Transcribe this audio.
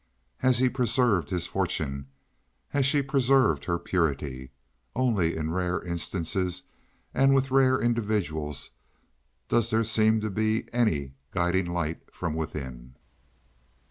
Has he preserved his fortune? Has she preserved her purity? Only in rare instances and with rare individuals does there seem to be any guiding light from within.